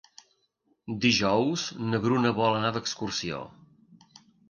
Dijous na Bruna vol anar d'excursió.